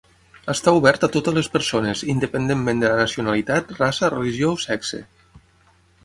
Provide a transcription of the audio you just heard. Està obert a totes les persones, independentment de la nacionalitat, raça, religió o sexe.